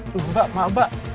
tuh mbak mbak mbak